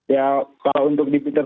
ya kalau untuk di peter